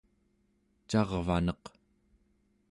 carvaneq